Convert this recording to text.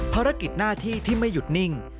ภารกิจหน้าที่ที่ไม่หยุดนิ่ง